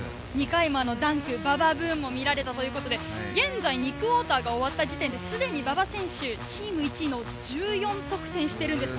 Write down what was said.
２回もダンク、馬場ブーンも見られたということで、現在２クオーター終わった時点でチーム１位の１４得点しています。